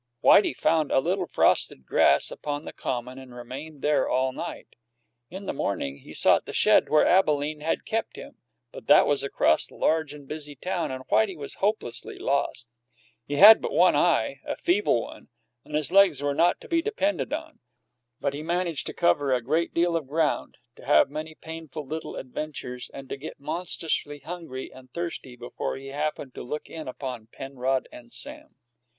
Whitey found a little frosted grass upon the common and remained there all night. In the morning he sought the shed where Abalene had kept him, but that was across the large and busy town, and Whitey was hopelessly lost. He had but one eye; a feeble one; and his legs were not to be depended upon; but he managed to cover a great deal of ground, to have many painful little adventures, and to get monstrously hungry and thirsty before he happened to look in upon Penrod and Sam.